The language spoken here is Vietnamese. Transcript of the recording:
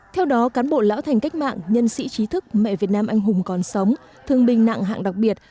theo đó cán bộ lão thành cách mạng nhân sĩ trí thức mẹ việt nam anh hùng còn sống thương binh nặng hạng đặc biệt